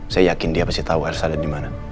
saya yakin dia pasti tau elsa ada dimana